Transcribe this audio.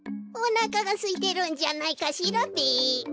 おなかがすいてるんじゃないかしらべ。